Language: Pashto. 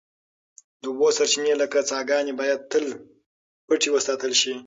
د اوبو سرچینې لکه څاګانې باید تل پټې وساتل شي.